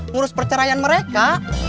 ngurus perceraian mereka